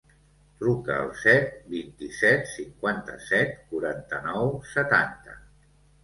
Truca al set, vint-i-set, cinquanta-set, quaranta-nou, setanta.